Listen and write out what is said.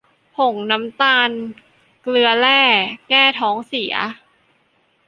ผงน้ำตาลเกลือแร่ แก้ท้องเสีย